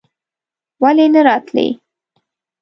ولې نه راتلې?